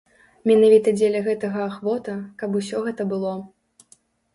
Менавіта дзеля гэтага ахвота, каб усё гэта было.